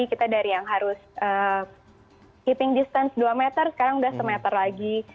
kita dari yang harus keeping distance dua meter sekarang udah semeter lagi